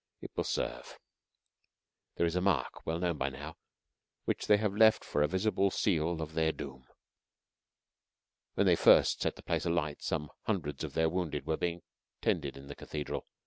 It will serve. There is a mark, well known by now, which they have left for a visible seal of their doom. When they first set the place alight some hundreds of their wounded were being tended in the Cathedral.